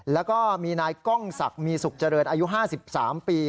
แล้วก็มีนายก้องศักดิ์มีสุขเจริญอายุ๕๓ปี